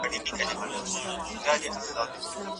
ایا ژر خوړل شوې کالوري ګټوره ده؟